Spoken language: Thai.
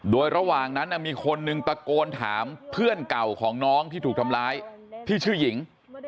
โดยระหว่างนั้นมีคนหนึ่งตะโกนถามเพื่อนเก่าของน้องที่ถูกทำร้ายที่ชื่อหญิง